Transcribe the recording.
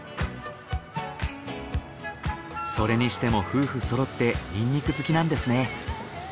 それにしても夫婦そろってニンニク好きなんですね。